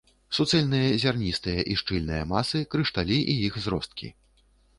Суцэльныя зярністыя і шчыльныя масы, крышталі і іх зросткі.